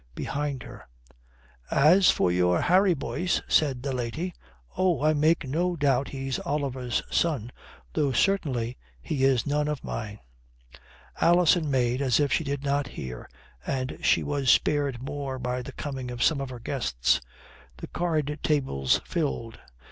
Behind her, "As for your Harry Boyce," said the lady, "oh, I make no doubt he's Oliver's son, though certainly he is none of mine." Alison made as if she did not hear, and she was spared more by the coming of some of her guests. The card tables filled.